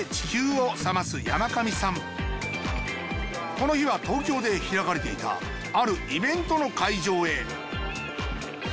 この日は東京で開かれていたあるイベントの会場へ。